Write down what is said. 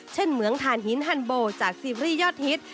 เหมืองฐานหินฮันโบจากซีรีส์ยอดฮิต